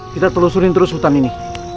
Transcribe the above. kita telusurin terus hutan ini